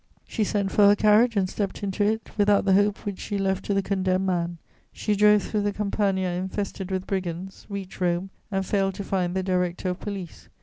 She sent for her carriage and stepped into it, without the hope which she left to the condemned man. She drove through the Campagna infested with brigands, reached Rome, and failed to find the Director of Police.